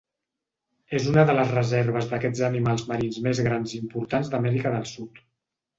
És una de les reserves d'aquests animals marins més grans i importants d'Amèrica del Sud.